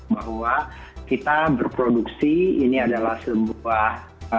bahwa kita berproduksi ini adalah sebuah